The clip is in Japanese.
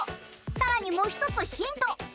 さらにもうひとつヒント！